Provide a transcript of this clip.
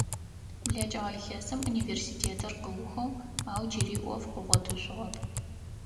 БлэкӀыгъэ илъэсым университетыр къыухыгъ ау джыри Ӏоф къыгъотышъугъэп.